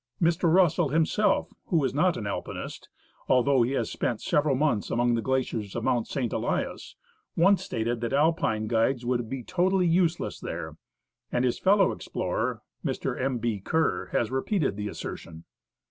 Mr. Russell himself, who is not an Alpinist, although he has spent several months among the glaciers of Mount St. Elias, once stated that Alpine guides would be totally useless there ;^ and his fellow explorer, Mr. M. B. Kerr, has repeated the assertion.'